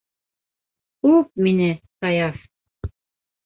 Үп мине, Саяф!